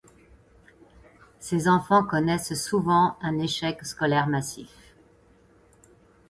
Ces enfants connaissent souvent un échec scolaire massif.